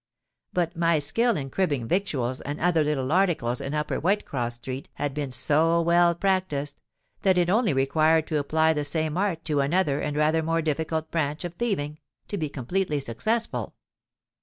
But my skill in cribbing victuals and other little articles in Upper Whitecross Street had been so well practised, that it only required to apply the same art to another and rather more difficult branch of thieving, to be completely successful.